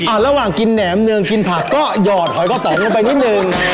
ระหว่างกินแหนมเนืองกินผักก็หยอดหอยกระสองลงไปนิดนึง